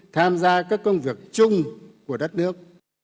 tham gia các công việc chung của đất nước